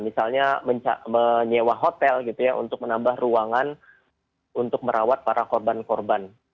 misalnya menyewa hotel gitu ya untuk menambah ruangan untuk merawat para korban korban